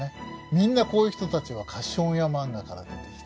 みんなこういう人たちは貸本屋マンガから出てきた。